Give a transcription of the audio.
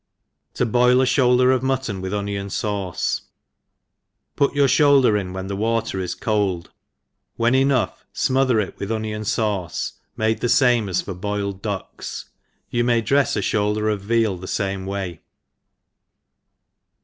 7i boil n Shoulder .^/^ Muttqn "Wifb Onion Sauce. PUT ydur fhoulder in when the water is cold, when enough fmother it with ohion fabce, made the fame as for boiled ducks.— You may drefs a fhouldefof veal the fame way.